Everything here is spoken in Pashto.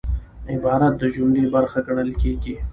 عبارت د جملې برخه ګڼل کېږي.